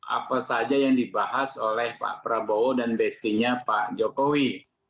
apa saja yang dibahas oleh pak prabowo dan bestinya pak jokowi